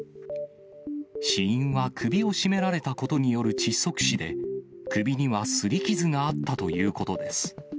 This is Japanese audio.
死因は首を絞められたことによる窒息死で、首にはすり傷があったということです。